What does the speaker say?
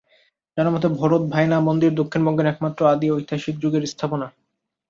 জানামতে, ভরত ভায়না মন্দির দক্ষিণ বঙ্গের একমাত্র আদি ঐতিহাসিক যুগের স্থাপনা।